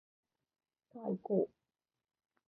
さあいこう